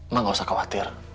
mak gak usah khawatir